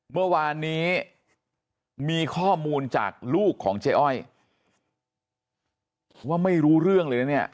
เมื่อวานนี้มีข้อมูลจากลูกของเจ๊อ้อยว่าไม่รู้เรื่องเลยนะเนี่ย